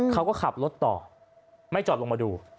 เขาก็ขับรถต่อไม่จอดลงมาดู